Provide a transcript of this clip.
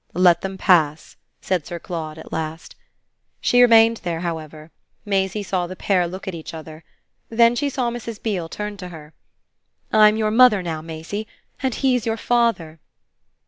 "Let them pass," said Sir Claude at last. She remained there, however; Maisie saw the pair look at each other. Then she saw Mrs. Beale turn to her. "I'm your mother now, Maisie. And he's your father."